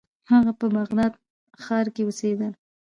هغه په بغداد ښار کې اوسیده.